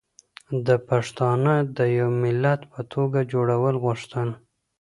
ده پښتانه د يو ملت په توګه جوړول غوښتل